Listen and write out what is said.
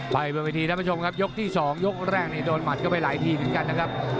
ไปบนวิธีท่านผู้ชมครับยกที่๒ยกแรกนี่โดนหมัดเข้าไปหลายทีเหมือนกันนะครับ